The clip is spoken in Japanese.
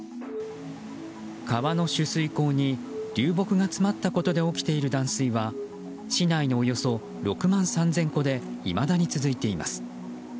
川の取水口に流木が詰まったことで起きている断水は市内のおよそ６万３０００戸でいまだに続いています。